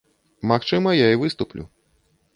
Магчыма, я і выступлю.